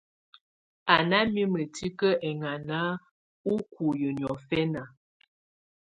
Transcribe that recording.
Á ná mimǝ́ tikǝ́ ɛŋáná úkuiyi niɔ̀fɛna.